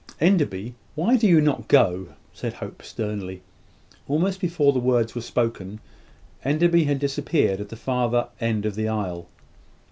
"Enderby, why do not you go?" said Hope, sternly. Almost before the words were spoken, Enderby had disappeared at the further end of the aisle.